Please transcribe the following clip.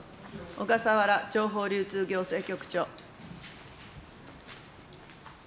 小笠原情報流通行政局長。